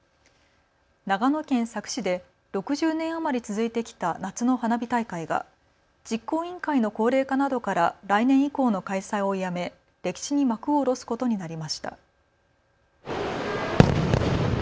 長野県佐久市で６０年余り続いてきた夏の花火大会が実行委員会の高齢化などから来年以降の開催をやめ、歴史に幕を下ろすことになりました。